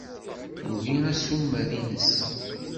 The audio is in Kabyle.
Tugi assumer-nnes.